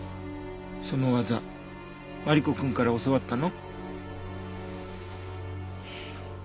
その技マリコくんから教わったの？